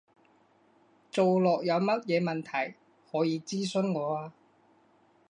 做落有乜嘢問題，可以諮詢我啊